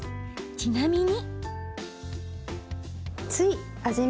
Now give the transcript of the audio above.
ちなみに。